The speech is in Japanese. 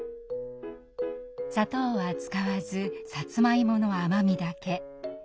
砂糖は使わずさつまいもの甘みだけ。